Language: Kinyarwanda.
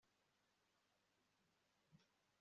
ni ukwigira ku bandi ibyiza